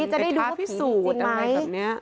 ถ้าผีสูจนไหม